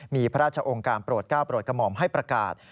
มีพระราชองค์การโปรดก้าวโปรดกระหม่อมให้ประกาศ